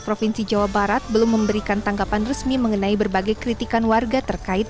provinsi jawa barat belum memberikan tanggapan resmi mengenai berbagai kritikan warga terkait